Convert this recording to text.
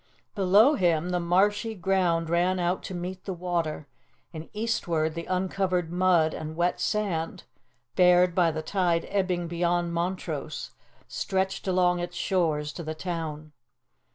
Below him the marshy ground ran out to meet the water; and eastward the uncovered mud and wet sand, bared by the tide ebbing beyond Montrose, stretched along its shores to the town.